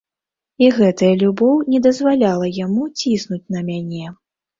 І гэтая любоў не дазваляла яму ціснуць на мяне.